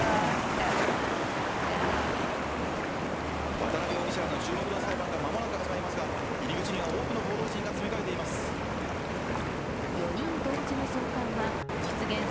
渡辺容疑者らの注目の裁判が間もなく始まりますが、入り口には多くの報道陣が詰めかけています。